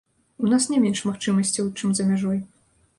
У нас не менш магчымасцяў, чым за мяжой.